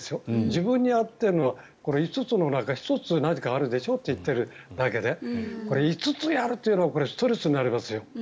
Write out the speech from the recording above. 自分に合っているのは５つの中１つ何かあるでしょうと言っているだけでこれ、５つやるというのはストレスになりますよ。